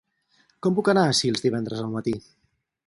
Com puc anar a Sils divendres al matí?